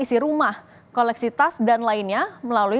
tau gak gajinya berapa